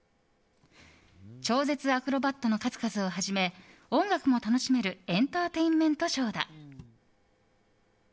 超絶アクロバットの数々をはじめ音楽も楽しめるエンターテインメントショーだ。